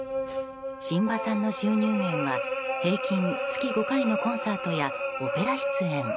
榛葉さんの収入源は平均月５回のコンサートやオペラ出演。